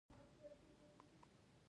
په دې چارو کې باید انصاف او عدل وي.